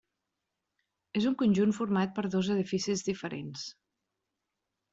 És un conjunt format per dos edificis diferents.